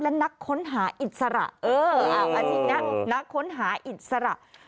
และนักค้นหาอิสระนักค้นหาอิสระ